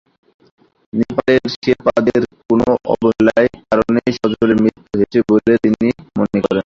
নেপালের শেরপাদের কোনো অবহেলার কারণেই সজলের মৃত্যু হয়েছে বলে তিনি মনে করেন।